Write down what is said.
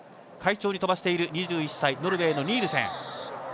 快調に飛ばしている２１歳ノルウェーのニールセン。